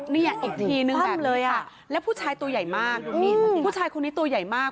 นี่อีกทีหนึ่งแบบนี้ค่ะแล้วผู้ชายตัวใหญ่มากผู้ชายคนนี้ตัวใหญ่มาก